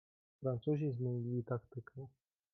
"Francuzi zmienili taktykę."